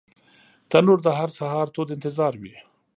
تنور د هر سهار تود انتظار وي